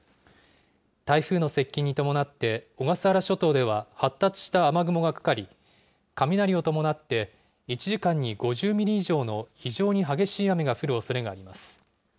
台風の接近に伴って、小笠原諸島では発達した雨雲がかかり、雷を伴って１時間に５０ミリ以上の非常に激しい雨が降るおそれがあります。